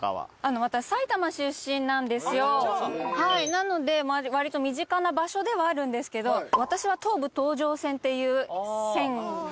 なのでわりと身近な場所ではあるんですけど私は東武東上線っていう線なので。